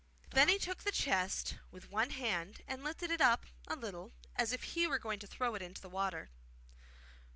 Then he took the chest with one hand and lifted it up a little, as if he were going to throw it into the water.